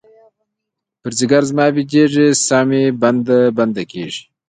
پر ځیګــر زما بیدیږې، سا مې بنده، بنده کیږې